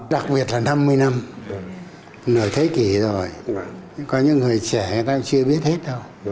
đặc biệt là năm mươi năm nửa thế kỷ rồi có những người trẻ người ta chưa biết hết đâu